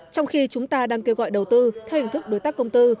trong khi chúng ta đang kêu gọi đầu tư theo hình thức đối tác công tư